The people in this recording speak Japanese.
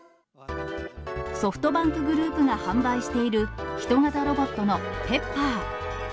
ソフトバンクグループが販売している、ヒト型ロボットのＰｅｐｐｅｒ。